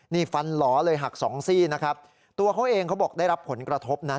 นี่ฟันหล่อเลยหักสองซี่นะครับตัวเขาเองเขาบอกได้รับผลกระทบนะ